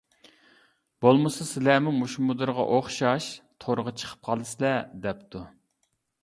بولمىسا سىلەرمۇ مۇشۇ مۇدىرغا ئوخشاش تورغا چىقىپ قالىسىلەر دەپتۇ.